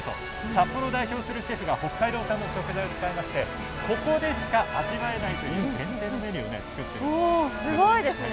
札幌を代表するシェフが北海道産の食材を使いましてここでしか味わえないという限定メニューを作っています。